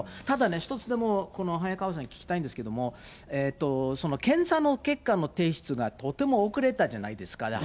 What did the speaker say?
ただね、一つ、この早川さん、聞きたいんですけれども、検査の結果の提出がとても遅れたじゃないですか。